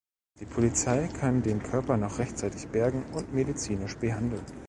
Die Polizei kann den Körper noch rechtzeitig bergen und medizinisch behandeln.